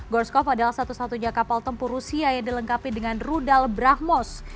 gorskov adalah satu satunya kapal tempur rusia yang dilengkapi dengan rudal brahmos